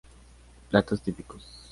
Platos típicos.